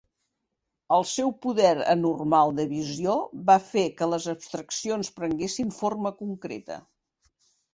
El seu poder anormal de visió va fer que les abstraccions prenguessin forma concreta.